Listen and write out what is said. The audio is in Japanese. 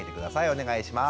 お願いします。